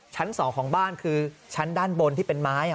ชั้น๒ของบ้านคือชั้นด้านบนที่เป็นไม้